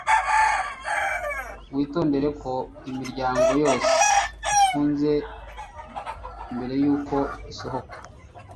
witondere ko imiryango yose ifunze mbere yuko usohoka